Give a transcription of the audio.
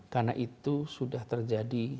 karena itu sudah terjadi